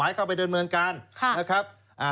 เลือกนี้มีหน่วยงานต่าง